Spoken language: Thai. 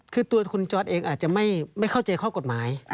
คือตัวคุณจอร์ดเองอาจจะไม่เข้าใจข้อกฎหมาย